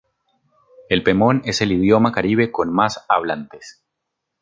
El pemón es el idioma caribe con más hablantes.